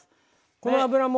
この脂も。